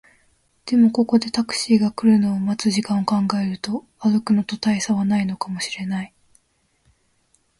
でも、ここでタクシーが来るのを待つ時間を考えると、歩くのと大差はないかもしれない